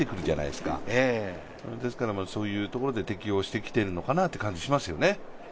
ですから、そういうところで適応してきてるのかなと思いますね。